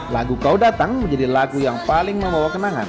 lagu kau datang menjadi lagu yang paling membawa kenangan